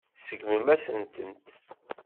Tseggmem-asent-tent.